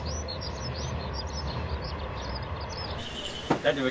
大丈夫？